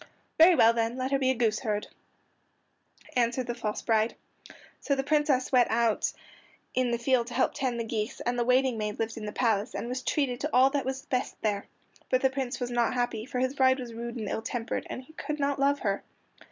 "Very well; then let her be a goose herd," answered the false bride. So the Princess went out in the field to help tend the geese, and the waiting maid lived in the palace, and was treated to all that was best there. But the Prince was not happy, for his bride was rude and ill tempered, and he could not love her.